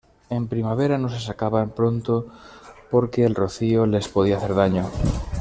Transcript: En primavera no se sacaban pronto porque el rocío les podía hacer daño.